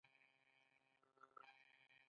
څوک چې صادق مینه لري، تل عزت لري.